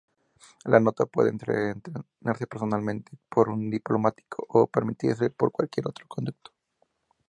La nota puede entregarse personalmente por un diplomático o remitirse por cualquier otro conducto.